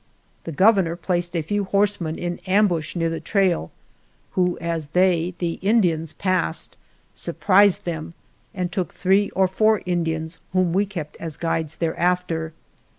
The Gov ernor placed a few horsemen in ambush near the trail, who as they (the Indians) passed, surprised them* and took three or four Indians, whom we kept as guides thereafter.